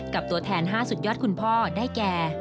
ตัวแทน๕สุดยอดคุณพ่อได้แก่